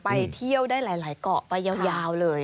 ไปเที่ยวได้หลายเกาะไปยาวเลย